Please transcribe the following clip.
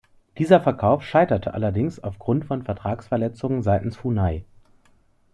Dieser Verkauf scheiterte allerdings aufgrund von Vertragsverletzungen seitens Funai.